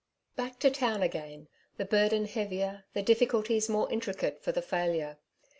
Back to town again — the burden heavier, the diffi culties more intricate for the failure.